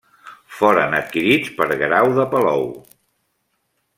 Foren adquirits per Guerau de Palou.